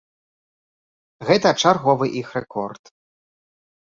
Гэта чарговы іх рэкорд.